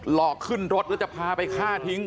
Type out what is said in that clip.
หลอกขึ้นรถแล้วจะพาไปฆ่าทิ้ง